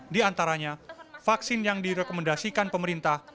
diantaranya vaksin yang direkomendasikan pemerintah